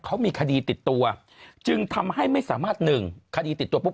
เขามีคดีติดตัวจึงทำให้ไม่สามารถหนึ่งคดีติดตัวปุ๊